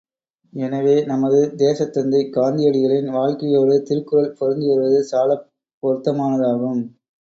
எனவே நமது தேசத்தந்தை காந்தியடிகளின் வாழ்க்கையோடு திருக்குறள் பொருந்தி வருவது சாலப் பொருத்தமானதாகும்.